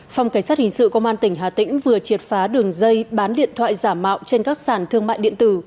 phòng cảnh sát hình sự công an tỉnh hà tĩnh vừa triệt phá đường dây bán điện thoại giả mạo trên các sàn thương mại điện tử